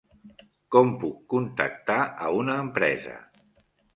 Com puc contactar a una empresa?